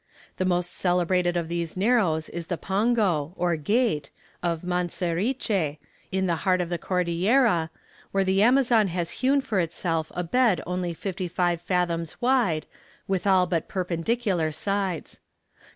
The most celebrated of these narrows is the pongo, or gate, of Manseriche, in the heart of the Cordillera, where the Amazon has hewn for itself a bed only fifty five fathoms wide, with all but perpendicular sides.